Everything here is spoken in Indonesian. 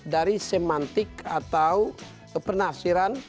dari semantik atau penafsiran